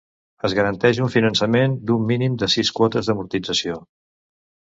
Es garanteix un finançament d'un mínim de sis quotes d'amortització.